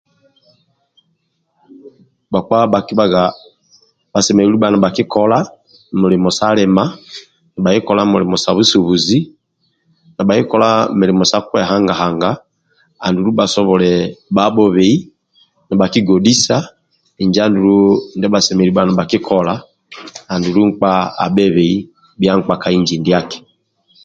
Bhakpa bhakibhaga nibhasemeleli bha nibhakikola mulimo sa lima, nibhakikola mulimo sa busubuzi, nibhakikola mulimo sa kwehanga-hanga andulu bhasobhole bhabhobhei nibhakigodhisa injo andulu ndia bhasemelelu bha nibhakikola andulu nkpa abhebei bhia nkpa ka inji ndiaki